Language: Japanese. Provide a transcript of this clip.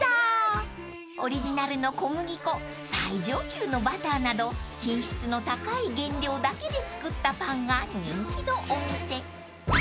［オリジナルの小麦粉最上級のバターなど品質の高い原料だけで作ったパンが人気のお店］